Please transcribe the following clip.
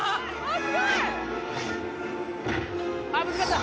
すごい！ぶつかった。